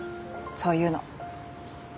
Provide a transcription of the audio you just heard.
そういうの。